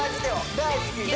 「大好きだ」